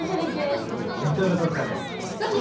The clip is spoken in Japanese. レトルトカレー。